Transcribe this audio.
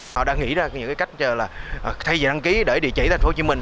họ đang nghĩ ra những cái cách cho là thay vì đăng ký để địa chỉ thành phố hồ chí minh